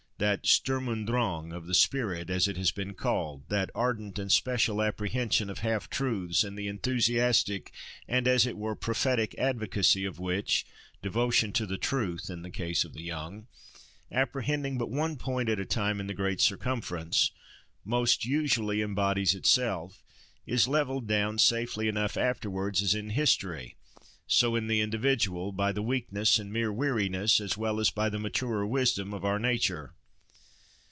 That Sturm und Drang of the spirit, as it has been called, that ardent and special apprehension of half truths, in the enthusiastic, and as it were "prophetic" advocacy of which, devotion to truth, in the case of the young—apprehending but one point at a time in the great circumference—most usually embodies itself, is levelled down, safely enough, afterwards, as in history so in the individual, by the weakness and mere weariness, as well as by the maturer wisdom, of our nature.